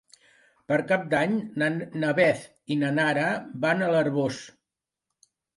Per Cap d'Any na Beth i na Nara van a l'Arboç.